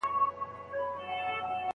ورځي تیري په خندا شپې پر پالنګ وي